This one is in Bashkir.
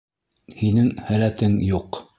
Һинең һәләтең юҡ.